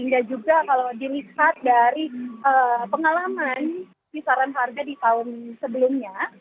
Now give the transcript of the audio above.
dan juga kalau dinikmat dari pengalaman pisaran harga di tahun sebelumnya